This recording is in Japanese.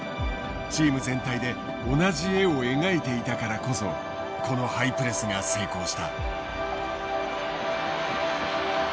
チーム全体で同じ絵を描いていたからこそこのハイプレスが成功した。